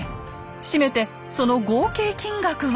締めてその合計金額は。